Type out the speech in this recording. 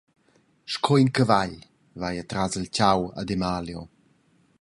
Sco in cavagl, va ei tras il tgau ad Emalio.